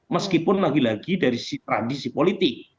meskipun lagi lagi dari tradisi politik